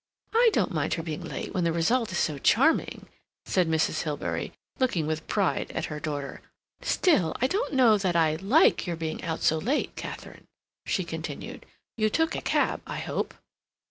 "I don't mind her being late when the result is so charming," said Mrs. Hilbery, looking with pride at her daughter. "Still, I don't know that I like your being out so late, Katharine," she continued. "You took a cab, I hope?"